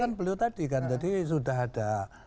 kan belum tadi kan tadi sudah ada